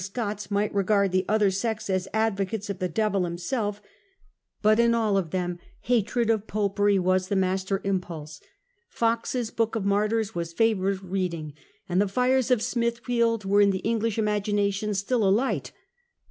121 Scots, might regard the other sects as the advocates of the devil himself ; but in all of them hatred of Popery was the master impulse. Foxe*s Book of Martyrs was favourite reading, and the fires of Smithfield were in the English imagination still alight.